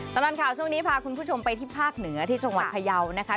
ตลอดข่าวช่วงนี้พาคุณผู้ชมไปที่ภาคเหนือที่จังหวัดพยาวนะคะ